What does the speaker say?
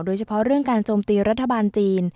โดยเฉพาะเรื่องการโจมตีรัฐบาลจีน